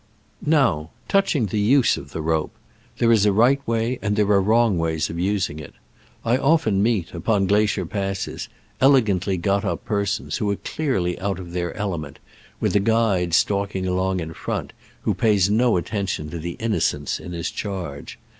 Now, touching the use of the rope. There is a right way and there are wrong ways of using it. I often meet, upon glacier passes, elegantly got up persons, who are clearly out of their element, with a guide stalking along in front, who pays no atten tion to the innocents in his charge.